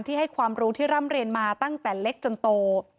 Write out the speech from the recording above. ให้ความรู้ที่ร่ำเรียนมาตั้งแต่เล็กจนโต